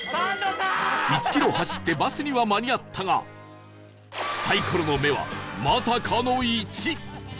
１キロ走ってバスには間に合ったがサイコロの目はまさかの「１」